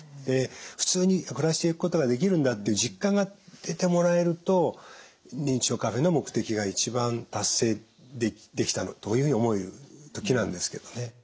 普通に暮らしていくことができるんだっていう実感が出てもらえると認知症カフェの目的が一番達成できたというふうに思える時なんですけどね。